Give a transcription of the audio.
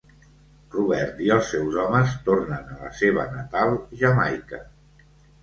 Robert i els seus homes tornen a la seva natal Jamaica.